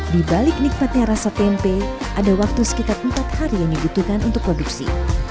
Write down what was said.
di balik nikmatnya rasa tempe ada waktu sekitar empat hari yang dibutuhkan untuk produksi